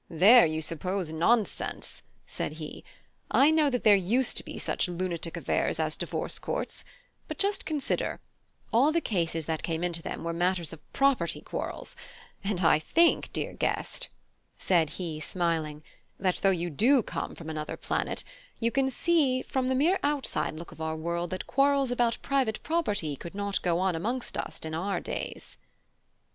"Then you suppose nonsense," said he. "I know that there used to be such lunatic affairs as divorce courts: but just consider; all the cases that came into them were matters of property quarrels: and I think, dear guest," said he, smiling, "that though you do come from another planet, you can see from the mere outside look of our world that quarrels about private property could not go on amongst us in our days."